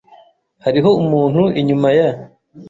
Hariho umuntu inyuma ya .